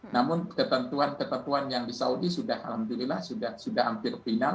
namun ketentuan ketentuan yang di saudi sudah alhamdulillah sudah hampir final